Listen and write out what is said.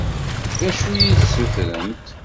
D acu i yi-d-ssutrent?